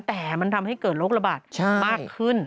แต่มันทำให้เกิดโรคระบาดมากขึ้น